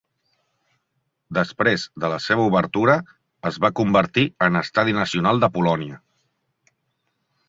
Després de la seva obertura, es va convertir en estadi nacional de Polònia.